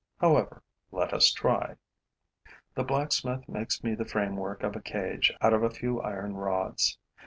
However, let us try. The blacksmith makes me the framework of a cage out of a few iron rods.